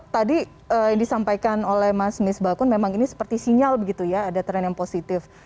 tadi yang disampaikan oleh mas mis bakun memang ini seperti sinyal begitu ya ada tren yang positif